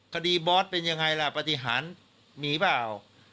บอสเป็นยังไงล่ะปฏิหารมีเปล่า